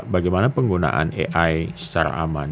bagaimana penggunaan ai secara aman